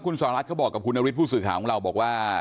คุณสวัสดิ์เขาบอกกับคุณอวิทย์ผู้สื่อข่าวของเราบอกว่า